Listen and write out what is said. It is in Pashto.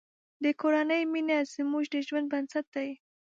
د کورنۍ مینه زموږ د ژوند بنسټ دی.